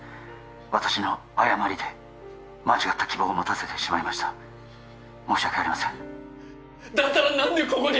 私の誤りで間違った希望を持たせてしまいました申し訳ありませんだったら何でここに！？